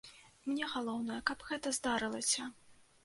Мне галоўнае, каб гэта здарылася!